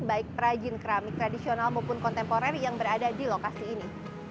baik perajin keramik tradisional maupun kontemporer yang berada di lokasi ini